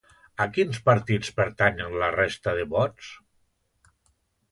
A quins partits pertanyen la resta de vots?